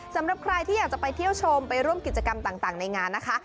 สำหรับใครที่อยากจะไปเที่ยวชมไปร่วมกิจกรรมต่างในงานนะคะ